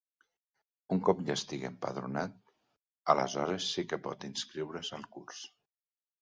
Un cop ja estigui empadronat, aleshores sí que pot inscriure's al curs.